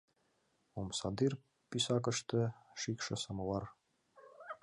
Омсадӱр пусакыште — шӱкшӧ самовар.